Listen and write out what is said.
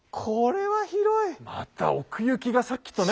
また奥行きがさっきとね。